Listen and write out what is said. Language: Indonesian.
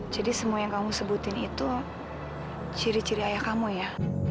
jadi semua yang kamu sebutin itu ciri ciri ayah kamu ya